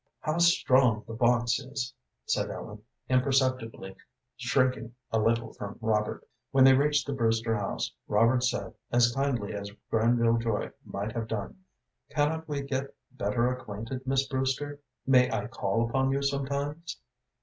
"How strong the box is," said Ellen, imperceptibly shrinking a little from Robert. When they reached the Brewster house Robert said, as kindly as Granville Joy might have done, "Cannot we get better acquainted, Miss Brewster? May I call upon you sometimes?"